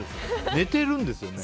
寝てるんですよね。